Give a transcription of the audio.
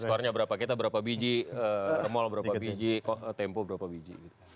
ekspornya berapa kita berapa biji remol berapa biji tempo berapa biji gitu